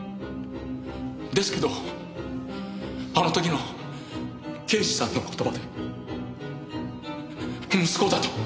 ですけどあの時の刑事さんの言葉で息子だと！